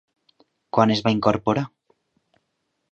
Quan es va incorporar?